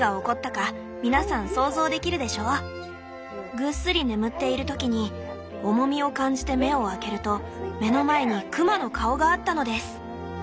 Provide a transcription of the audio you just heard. ぐっすり眠っている時に重みを感じて目を開けると目の前に熊の顔があったのです！」。